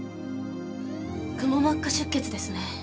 くも膜下出血ですね。